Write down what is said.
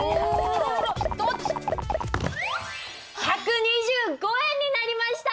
一つ１２５円になりました！